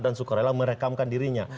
dan sukarela merekamkan dirinya